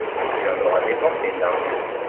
Il en aura dépensé de l’argent.